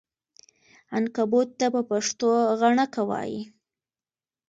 عنکبوت ته په پښتو غڼکه وایې!